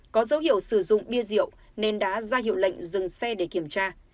có dấu hiệu sử dụng bia rượu nên đã ra hiệu lệnh dừng xe để kiểm tra